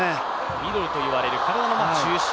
ミドルといわれる体の中心。